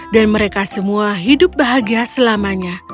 dan mereka semua hidup bahagia selamanya